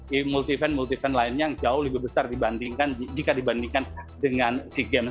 di multi event multi event lainnya yang jauh lebih besar dibandingkan jika dibandingkan dengan sea games